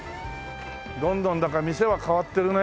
どんどんだから店は変わってるね。